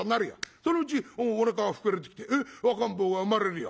そのうちおなかが膨れてきて赤ん坊が産まれるよ。